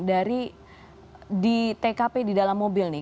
dari di tkp di dalam mobil nih